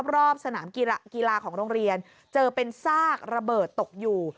รอบสนามกีฬาของโรงเรียนเจอเป็นซากระเบิดตกอยู่